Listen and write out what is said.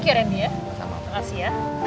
terima kasih ya